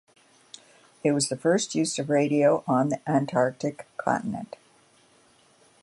It was the first use of radio on the Antarctic continent.